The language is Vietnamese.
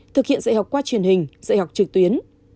thực hiện dạy học qua truyền hình dạy học trực tuyến